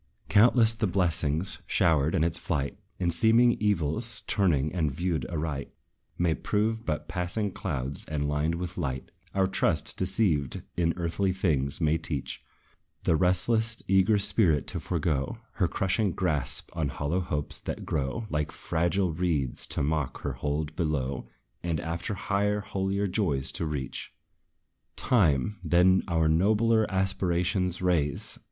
Countless the blessings showered in its flight; And seeming evils, turned and viewed aright, May prove but passing clouds, and lined with light. Our trust, deceived in earthly things, may teach The restless, eager spirit to forego Her crushing grasp on hollow hopes, that grow Like fragile reeds, to mock her hold below; And after higher, holier joys to reach. TIME, then our nobler aspirations raise!